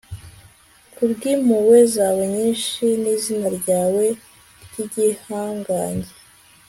ku bw'impuhwe zawe nyinshi n'izina ryawe ry'igihangange